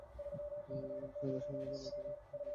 আরে চাঁদা সময়মতো না তুললে হিসাবে ভুল লেগে যায়।